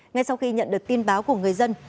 ngay sau khi nhận được tin báo của người dân